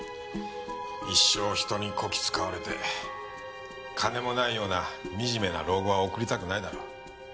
一生人にこき使われて金もないような惨めな老後は送りたくないだろう。